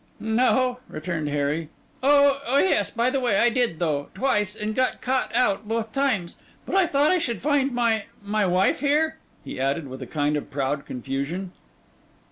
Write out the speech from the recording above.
'No,' returned Harry. 'Oh yes, by the way, I did though: twice, and got caught out both times. But I thought I should find my—my wife here?' he added, with a kind of proud confusion.